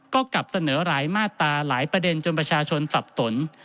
ก็กลับเสนอหลายมาตราหลายประเด็นจนประชาชนสับสน